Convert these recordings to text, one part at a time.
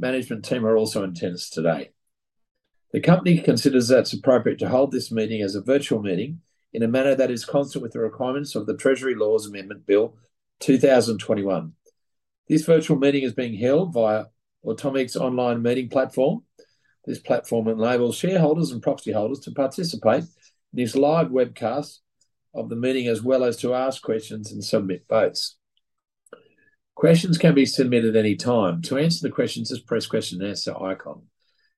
Management team are also in attendance today. The company considers that it's appropriate to hold this meeting as a virtual meeting in a manner that is consistent with the requirements of the Treasury Laws Amendment Bill 2021. This virtual meeting is being held via Automic's online meeting platform. This platform enables shareholders and proxy holders to participate in this live webcast of the meeting, as well as to ask questions and submit votes. Questions can be submitted at any time. To ask the questions, just press the question and answer icon.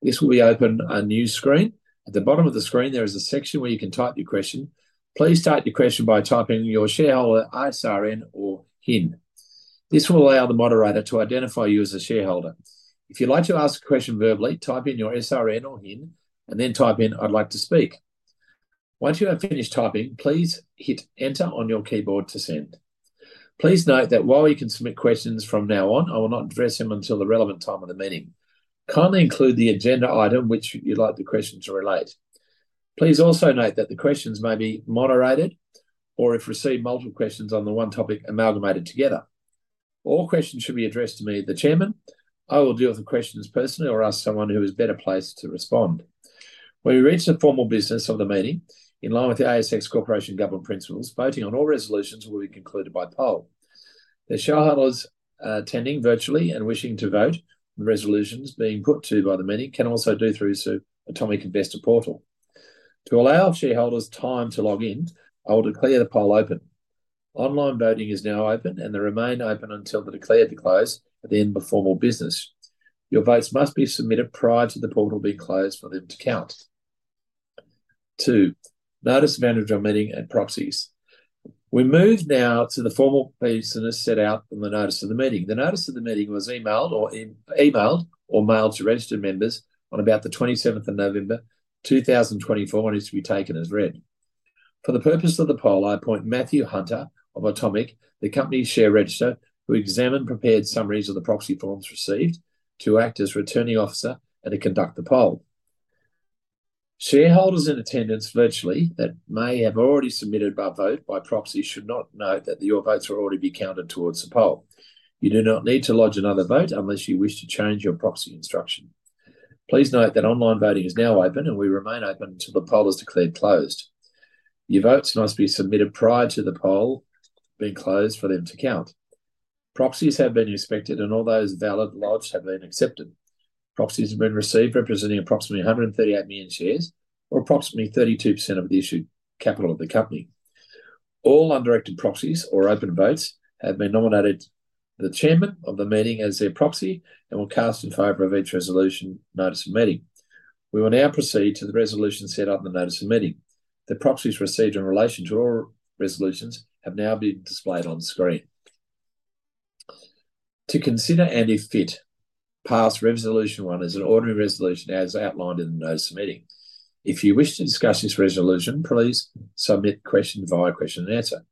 This will be open on your screen. At the bottom of the screen, there is a section where you can type your question. Please type your question by typing your shareholder SRN or HIN. This will allow the moderator to identify you as a shareholder. If you'd like to ask a question verbally, type in your SRN or HIN, and then type in, "I'd like to speak." Once you have finished typing, please hit Enter on your keyboard to send. Please note that while you can submit questions from now on, I will not address them until the relevant time of the meeting. Kindly include the agenda item which you'd like the question to relate. Please also note that the questions may be moderated or, if received, multiple questions on the one topic amalgamated together. All questions should be addressed to me, the chairman. I will deal with the questions personally or ask someone who is better placed to respond. When we reach the formal business of the meeting, in line with the ASX Corporate Governance Principles, voting on all resolutions will be concluded by poll. The shareholders attending virtually and wishing to vote on the resolutions being put to by the meeting can also do so through the Automic Investor Portal. To allow shareholders time to log in, I will declare the poll open. Online voting is now open, and they remain open until they declare to close at the end of formal business. Your votes must be submitted prior to the portal being closed for them to count. Two. Notice of annual general meeting and proxies. We move now to the formal business set out in the notice of the meeting. The notice of the meeting was emailed or mailed to registered members on about the 27th of November, 2024, and is to be taken as read. For the purpose of the poll, I appoint Matthew Hunter of Automic, the company's share registry, who examined prepared summaries of the proxy forms received to act as returning officer and to conduct the poll. Shareholders in attendance virtually who may have already submitted a vote by proxy should know that your votes will already be counted towards the poll. You do not need to lodge another vote unless you wish to change your proxy instruction. Please note that online voting is now open, and it remains open until the poll is declared closed. Your votes must be submitted prior to the poll being closed for them to count. Proxies have been inspected, and all those validly lodged have been accepted. Proxies have been received representing approximately 138 million shares or approximately 32% of the issued capital of the company. All undirected proxies or open votes have been nominated the chairman of the meeting as their proxy and will cast in favor of each resolution notice of meeting. We will now proceed to the resolution set up in the notice of meeting. The proxies received in relation to all resolutions have now been displayed on screen. To consider and if fit, pass resolution one as an ordinary resolution as outlined in the notice of meeting. If you wish to discuss this resolution, please submit questions via question and answer.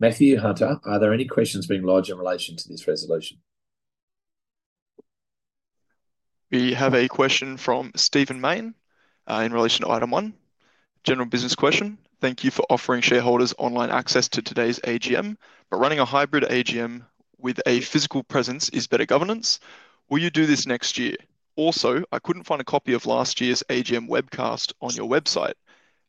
Matthew Hunter, are there any questions being lodged in relation to this resolution? We have a question from Stephen Mayne in relation to item one, general business question. Thank you for offering shareholders online access to today's AGM, but running a hybrid AGM with a physical presence is better governance. Will you do this next year? Also, I couldn't find a copy of last year's AGM webcast on your website.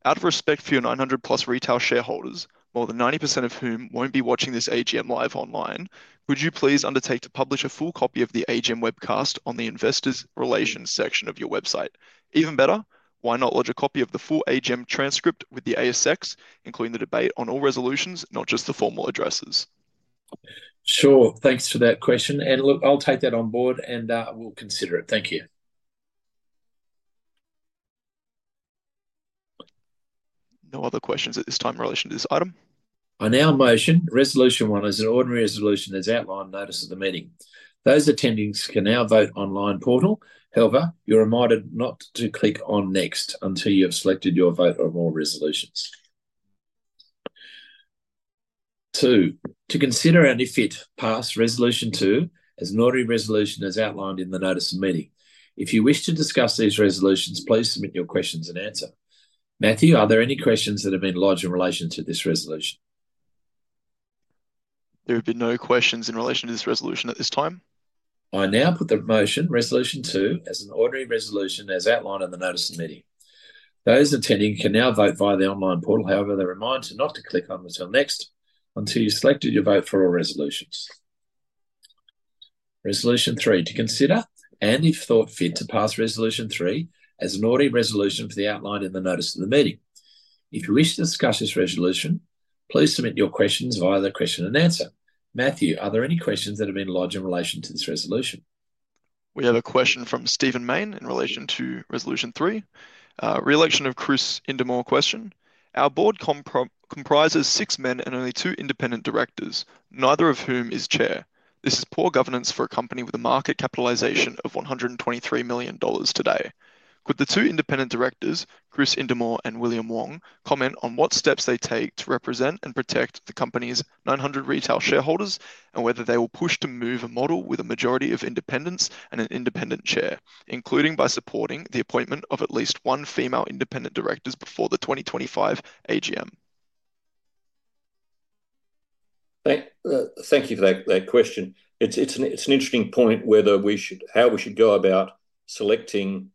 Out of respect for your 900-plus retail shareholders, more than 90% of whom won't be watching this AGM live online, would you please undertake to publish a full copy of the AGM webcast on the investor relations section of your website? Even better, why not lodge a copy of the full AGM transcript with the ASX, including the debate on all resolutions, not just the formal addresses? Sure. Thanks for that question, and look, I'll take that on board, and we'll consider it. Thank you. No other questions at this time in relation to this item. I now motion Resolution one as an ordinary resolution as outlined in the notice of the meeting. Those attending can now vote online portal. However, you're reminded not to click on next until you have selected your vote or more resolutions. Two, to consider and if fit, pass Resolution two as an ordinary resolution as outlined in the notice of meeting. If you wish to discuss these resolutions, please submit your questions and answer. Matthew, are there any questions that have been lodged in relation to this resolution? There have been no questions in relation to this resolution at this time. I now put the motion resolution two as an ordinary resolution as outlined in the notice of meeting. Those attending can now vote via the online portal. However, they're reminded not to click on until you've selected your vote for all resolutions. Resolution three, to consider and if thought fit to pass Resolution three as an ordinary resolution as outlined in the notice of the meeting. If you wish to discuss this resolution, please submit your questions via the question and answer. Matthew, are there any questions that have been lodged in relation to this resolution? We have a question from Stephen Mayne in relation to Resolution three, re-election of Chris Indermaur question. Our board comprises six men and only two independent directors, neither of whom is chair. This is poor governance for a company with a market capitalization of 123 million dollars today. Could the two independent directors, Chris Indermaur and William Wong, comment on what steps they take to represent and protect the company's 900 retail shareholders and whether they will push to move a model with a majority of independents and an independent chair, including by supporting the appointment of at least one female independent director before the 2025 AGM? Thank you for that question. It's an interesting point whether how we should go about selecting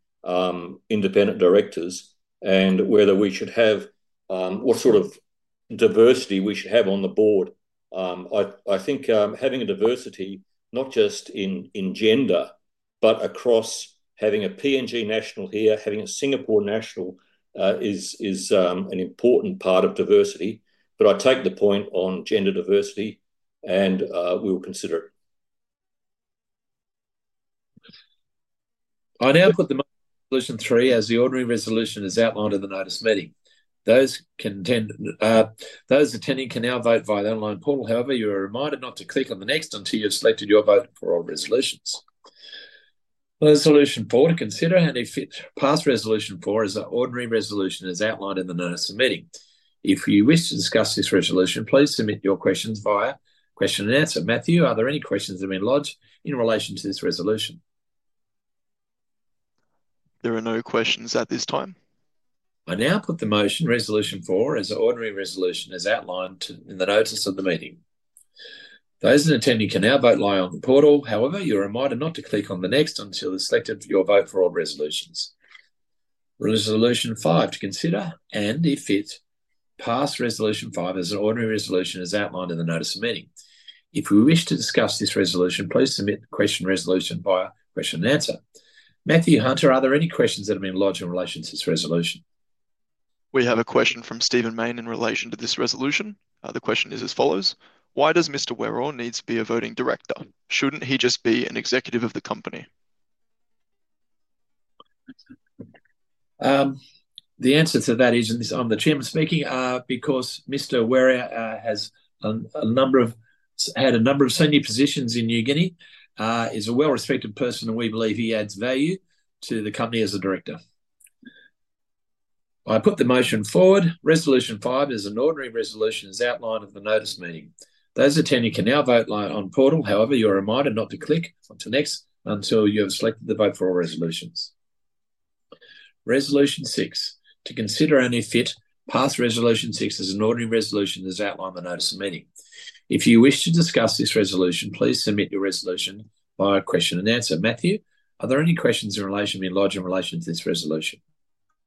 independent directors and whether we should have what sort of diversity we should have on the board. I think having a diversity, not just in gender, but across having a PNG national here, having a Singapore national is an important part of diversity. But I take the point on gender diversity, and we will consider it. I now put the Resolution three as the ordinary resolution as outlined in the notice of meeting. Those attending can now vote via the online portal. However, you're reminded not to click on the next until you've selected your vote for all resolutions. Resolution four, to consider and if fit, pass resolution four as an ordinary resolution as outlined in the notice of meeting. If you wish to discuss this resolution, please submit your questions via question and answer. Matthew, are there any questions that have been lodged in relation to this resolution? There are no questions at this time. I now put the motion Resolution four as an ordinary resolution as outlined in the notice of the meeting. Those attending can now vote live on the portal. However, you're reminded not to click on the next until you've selected your vote for all resolutions. Resolution five to consider and if fit, pass resolution five as an ordinary resolution as outlined in the notice of meeting. If you wish to discuss this resolution, please submit question resolution via question and answer. Matthew Hunter, are there any questions that have been lodged in relation to this resolution? We have a question from Stephen Mayne in relation to this resolution. The question is as follows: Why does Mr. Werror need to be a voting director? Shouldn't he just be an executive of the company? The answer to that is I'm the chairman speaking because Mr. Werror has a number of senior positions in Papua New Guinea, is a well-respected person, and we believe he adds value to the company as a director. I put the motion forward. Resolution five is an ordinary resolution as outlined in the notice of meeting. Those attending can now vote live on the portal. However, you're reminded not to click until you have selected the vote for all resolutions. Resolution six to consider and if fit, pass Resolution six as an ordinary resolution as outlined in the notice of meeting. If you wish to discuss this resolution, please submit your resolution via question and answer. Matthew, are there any questions in relation to this resolution?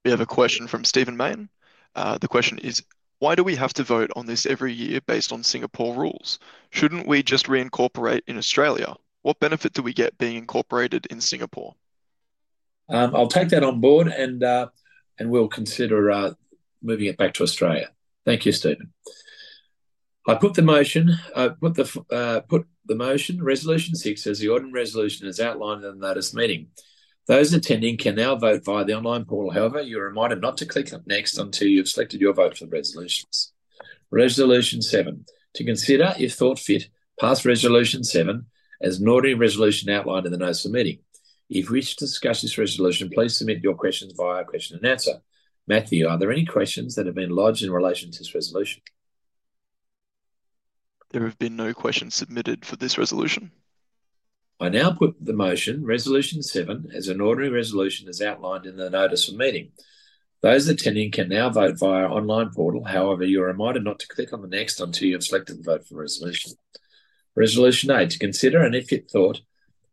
We have a question from Stephen Mayne. The question is, why do we have to vote on this every year based on Singapore rules? Shouldn't we just reincorporate in Australia? What benefit do we get being incorporated in Singapore? I'll take that on board, and we'll consider moving it back to Australia. Thank you, Stephen. I put the motion, Resolution six, as the ordinary resolution as outlined in the notice of meeting. Those attending can now vote via the online portal. However, you're reminded not to click on next until you've selected your vote for resolutions. Resolution seven: to consider if thought fit, pass Resolution seven as an ordinary resolution outlined in the notice of meeting. If you wish to discuss this resolution, please submit your questions via question and answer. Matthew, are there any questions that have been lodged in relation to this resolution? There have been no questions submitted for this resolution. I now put the motion, Resolution seven, as an ordinary resolution as outlined in the notice of meeting. Those attending can now vote via online portal. However, you're reminded not to click on the next until you have selected the vote for resolution. Resolution eight, to consider and, if thought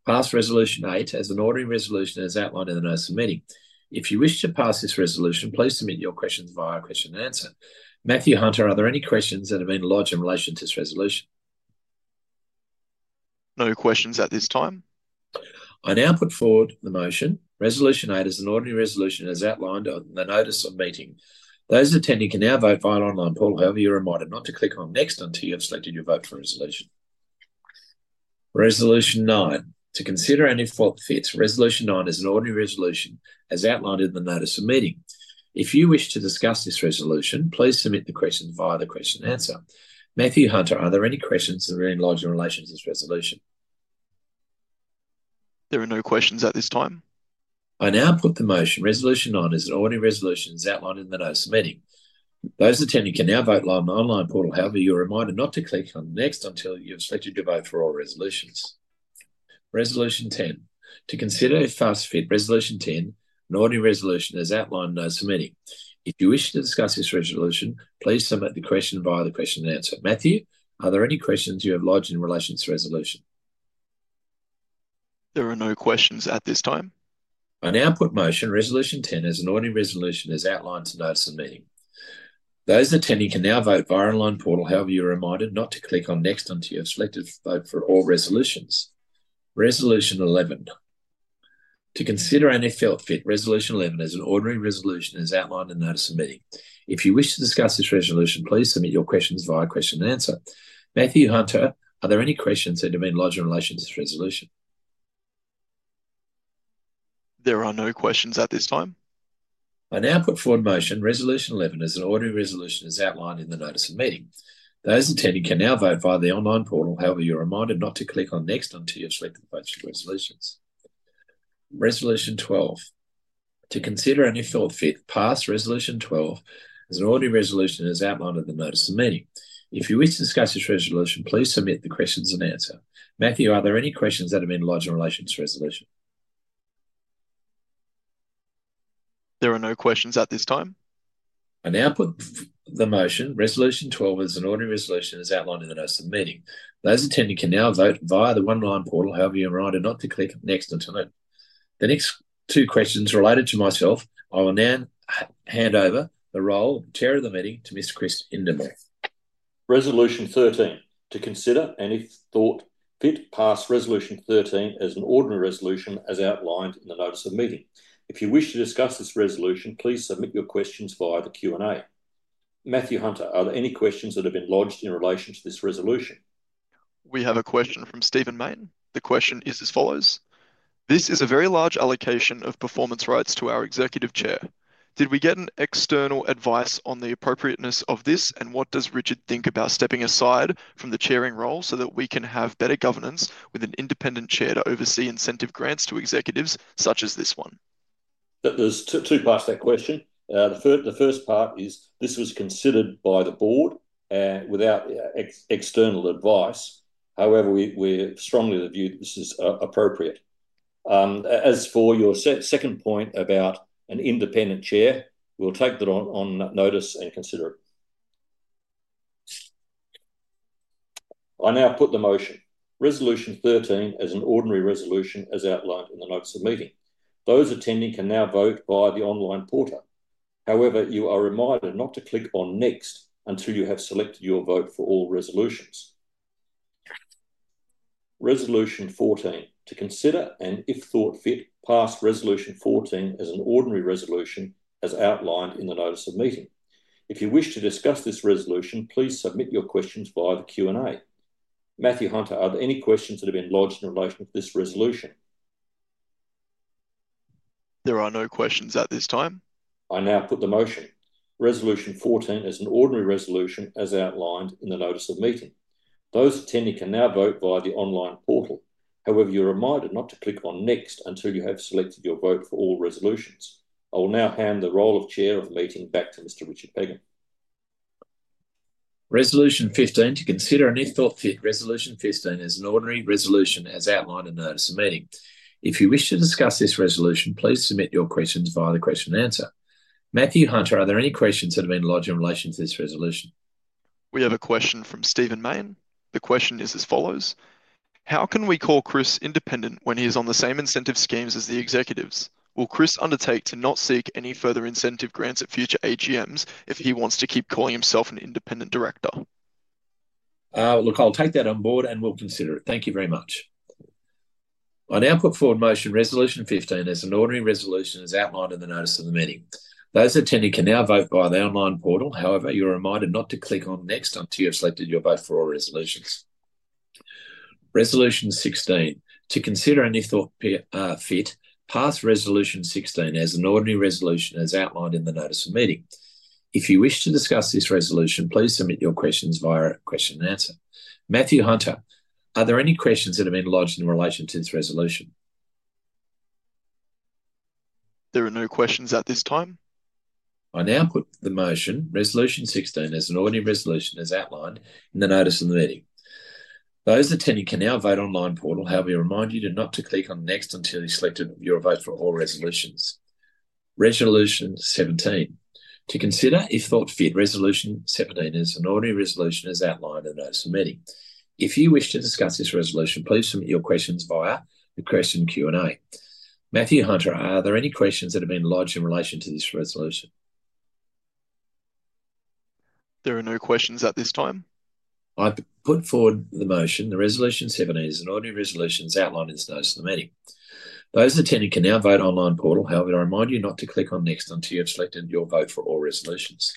fit, pass resolution eight as an ordinary resolution as outlined in the notice of meeting. If you wish to pass this resolution, please submit your questions via question and answer. Matthew Hunter, are there any questions that have been lodged in relation to this resolution? No questions at this time. I now put forward the motion, Resolution Eight, as an ordinary resolution as outlined in the notice of meeting. Those attending can now vote via online portal. However, you're reminded not to click on next until you have selected your vote for resolution. Resolution Nine to consider and, if thought fit, Resolution Nine as an ordinary resolution as outlined in the notice of meeting. If you wish to discuss this resolution, please submit the questions via the question and answer. Matthew Hunter, are there any questions that have been lodged in relation to this resolution? There are no questions at this time. I now put the motion, Resolution nine, as an ordinary resolution as outlined in the notice of meeting. Those attending can now vote live on the online portal. However, you're reminded not to click on next until you have selected your vote for all resolutions. Resolution 10, an ordinary resolution as outlined in the notice of meeting. If you wish to discuss this resolution, please submit the question via the question and answer. Matthew, are there any questions you have lodged in relation to this resolution? There are no questions at this time. I now put motion Resolution 10 as an ordinary resolution as outlined in the notice of meeting. Those attending can now vote via online portal. However, you're reminded not to click on next until you have selected vote for all resolutions. Resolution 11 to consider and if felt fit, Resolution 11 as an ordinary resolution as outlined in the notice of meeting. If you wish to discuss this resolution, please submit your questions via question and answer. Matthew Hunter, are there any questions that have been lodged in relation to this resolution? There are no questions at this time. I now put forward motion Resolution 11 as an ordinary resolution as outlined in the notice of meeting. Those attending can now vote via the online portal. However, you're reminded not to click on next until you have selected the votes for resolutions. Resolution 12 to consider and if felt fit, pass Resolution 12 as an ordinary resolution as outlined in the notice of meeting. If you wish to discuss this resolution, please submit the questions and answer. Matthew, are there any questions that have been lodged in relation to this resolution? There are no questions at this time. I now put the motion Resolution 12 as an ordinary resolution as outlined in the notice of meeting. Those attending can now vote via the online portal. However, you're reminded not to click next until next. The next two questions related to myself. I will now hand over the role of chair of the meeting to Mr. Chris Indermaur. Resolution 13 to consider and if thought fit, pass Resolution 13 as an ordinary resolution as outlined in the notice of meeting. If you wish to discuss this resolution, please submit your questions via the Q&A. Matthew Hunter, are there any questions that have been lodged in relation to this resolution? We have a question from Stephen Mayne. The question is as follows: This is a very large allocation of performance rights to our executive chair. Did we get an external advice on the appropriateness of this, and what does Richard think about stepping aside from the chairing role so that we can have better governance with an independent chair to oversee incentive grants to executives such as this one? There's two parts to that question. The first part is this was considered by the board without external advice. However, we strongly view that this is appropriate. As for your second point about an independent chair, we'll take that on notice and consider it. I now put the motion Resolution 13 as an ordinary resolution as outlined in the notice of meeting. Those attending can now vote via the online portal. However, you are reminded not to click on next until you have selected your vote for all resolutions. Resolution 14 to consider and if thought fit, pass Resolution 14 as an ordinary resolution as outlined in the notice of meeting. If you wish to discuss this resolution, please submit your questions via the Q&A. Matthew Hunter, are there any questions that have been lodged in relation to this resolution? There are no questions at this time. I now put the motion Resolution 14 as an ordinary resolution as outlined in the notice of meeting. Those attending can now vote via the online portal. However, you're reminded not to click on next until you have selected your vote for all resolutions. I will now hand the role of chair of the meeting back to Mr. Richard Pegum. Resolution 15 to consider and, if thought fit, Resolution 15 as an ordinary resolution as outlined in the notice of meeting. If you wish to discuss this resolution, please submit your questions via the question and answer. Matthew Hunter, are there any questions that have been lodged in relation to this resolution? We have a question from Stephen Mayne. The question is as follows: How can we call Chris independent when he is on the same incentive schemes as the executives? Will Chris undertake to not seek any further incentive grants at future AGMs if he wants to keep calling himself an independent director? Look, I'll take that on board, and we'll consider it. Thank you very much. I now put forward motion Resolution 15 as an ordinary resolution as outlined in the notice of the meeting. Those attending can now vote via the online portal. However, you're reminded not to click on next until you have selected your vote for all resolutions. Resolution 16 to consider and if thought fit, pass Resolution 16 as an ordinary resolution as outlined in the notice of meeting. If you wish to discuss this resolution, please submit your questions via question and answer. Matthew Hunter, are there any questions that have been lodged in relation to this resolution? There are no questions at this time. I now put the motion Resolution 16 as an ordinary resolution as outlined in the notice of the meeting. Those attending can now vote on the online portal. However, you're reminded not to click on next until you've selected your vote for all resolutions. Resolution 17 to consider if thought fit. Resolution 17 as an ordinary resolution as outlined in the notice of meeting. If you wish to discuss this resolution, please submit your questions via the question Q&A. Matthew Hunter, are there any questions that have been lodged in relation to this resolution? There are no questions at this time. I put forward the motion, the Resolution 17 as an ordinary resolution as outlined in the notice of the meeting. Those attending can now vote on the online portal. However, I remind you not to click on next until you have selected your vote for all resolutions.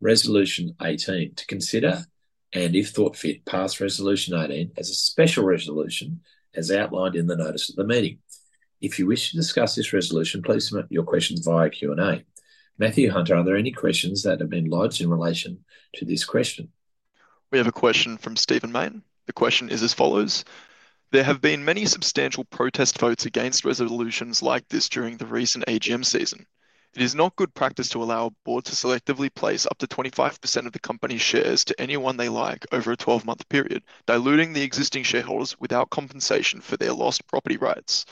Resolution 18 to consider and if thought fit, pass Resolution 18 as a special resolution as outlined in the notice of the meeting. If you wish to discuss this resolution, please submit your questions via Q&A. Matthew Hunter, are there any questions that have been lodged in relation to this question? We have a question from Stephen Mayne. The question is as follows: There have been many substantial protest votes against resolutions like this during the recent AGM season. It is not good practice to allow a board to selectively place up to 25% of the company's shares to anyone they like over a 12-month period, diluting the existing shareholders without compensation for their lost property rights.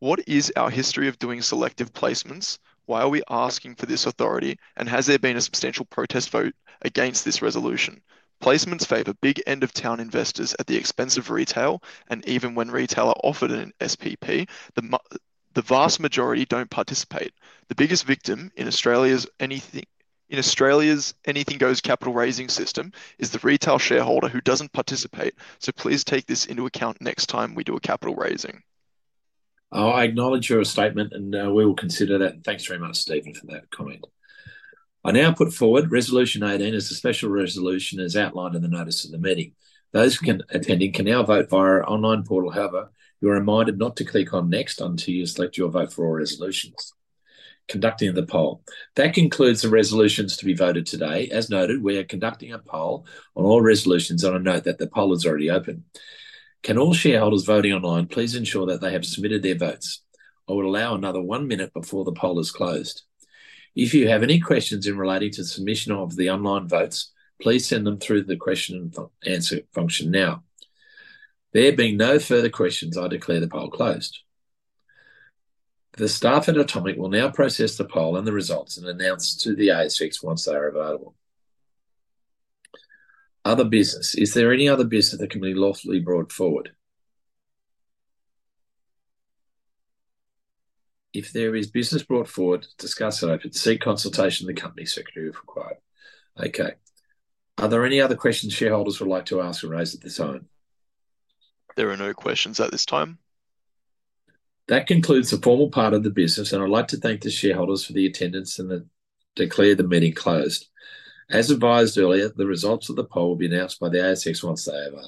What is our history of doing selective placements? Why are we asking for this authority, and has there been a substantial protest vote against this resolution? Placements favor big end-of-town investors at the expense of retail, and even when retail are offered in SPP, the vast majority don't participate. The biggest victim in Australia's anything-goes capital raising system is the retail shareholder who doesn't participate, so please take this into account next time we do a capital raising. I acknowledge your statement, and we will consider that. Thanks very much, Stephen, for that comment. I now put forward Resolution 18 as a special resolution as outlined in the notice of the meeting. Those attending can now vote via our online portal. However, you're reminded not to click on next until you have selected your vote for all resolutions. Conducting the poll. That concludes the resolutions to be voted today. As noted, we are conducting a poll on all resolutions on a note that the poll is already open. Can all shareholders voting online, please ensure that they have submitted their votes? I will allow another one minute before the poll is closed. If you have any questions in relation to the submission of the online votes, please send them through the question and answer function now. There being no further questions, I declare the poll closed. The staff at Automic will now process the poll and the results and announce to the ASX once they are available. Other business. Is there any other business that can be lawfully brought forward? If there is business brought forward, discuss it. I could seek consultation with the company secretary if required. Okay. Are there any other questions shareholders would like to ask or raise at this time? There are no questions at this time. That concludes the formal part of the business, and I'd like to thank the shareholders for the attendance and declare the meeting closed. As advised earlier, the results of the poll will be announced by the ASX once they are.